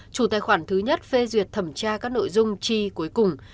chủ tài khoản thứ nhất phê duyệt thẩm tra các nội dung chi cuối cùng